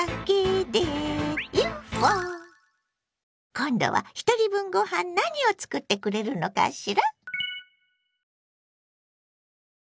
今度はひとり分ご飯何を作ってくれるのかしら？